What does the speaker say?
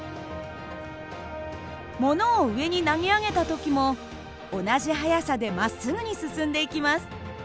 ものを上に投げ上げた時も同じ速さでまっすぐに進んでいきます。